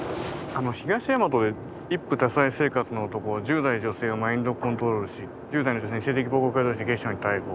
東大和で一夫多妻生活の男が１０代女性をマインドコントロールし１０代の女性に性的暴行を加え逮捕。